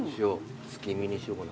月見にしようかな。